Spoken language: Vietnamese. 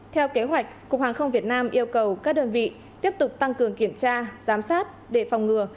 theo kế hoạch cục hàng không việt nam yêu cầu các đơn vị tiếp tục tăng cường kiểm tra giám sát để phòng ngừa